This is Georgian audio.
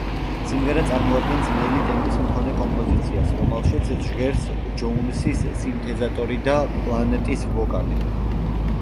სიმღერა წარმოადგენს ნელი ტემპის მქონე კომპოზიციას, რომელშიც ჟღერს ჯოუნსის სინთეზატორი და პლანტის ვოკალი.